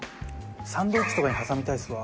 サンドイッチとかに挟みたいっすわ。